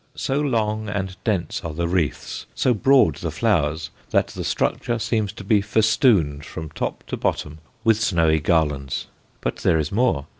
So long and dense are the wreaths, so broad the flowers, that the structure seems to be festooned from top to bottom with snowy garlands. But there is more.